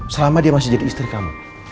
selama dia masih jadi istri kamu